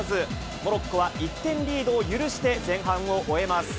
モロッコは１点リードを許して前半を終えます。